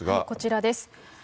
こちらです。